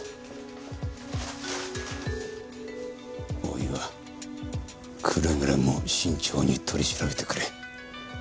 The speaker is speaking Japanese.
大岩くれぐれも慎重に取り調べてくれ。